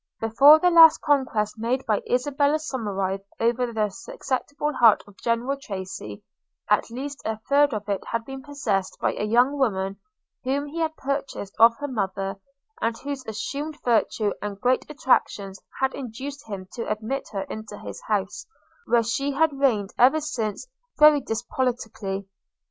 Before the last conquest made by Isabella Somerive over the susceptible heart of General Tracy, at least a third of it had been possessed by a young woman, whom he had purchased of her mother, and whose assumed virtue and great attractions had induced him to admit her into his house, where she had reigned ever since very despotically.